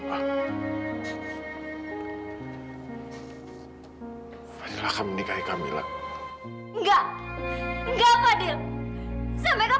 pak fadil akan lari dari tanggung jawab pak fadil lagi pak